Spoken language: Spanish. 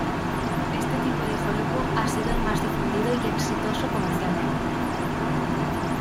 Este tipo de joropo ha sido el más difundido y exitoso comercialmente.